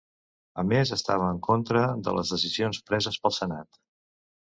A més estava en contra de les decisions preses pel senat.